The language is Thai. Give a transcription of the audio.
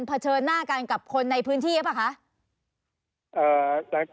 เฉินหน้ากันกับคนในพื้นที่หรือเปล่าคะ